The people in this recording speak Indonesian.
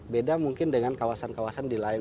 beda mungkin dengan kawasan kawasan di lain